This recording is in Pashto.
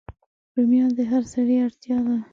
رومیان د هر سړی اړتیا ده